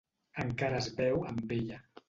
Encara es veu amb ella.